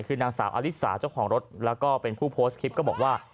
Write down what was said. คือนางสาวอลิสาเจ้าของรถแล้วก็เป็นผู้โพสต์คลิปก็บอกว่า